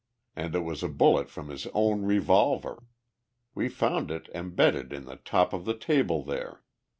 And it was a bullet from his own revolver! We found it embedded in the top of the table there."